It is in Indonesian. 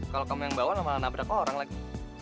kalau kamu yang bawa nama nabrak orang lagi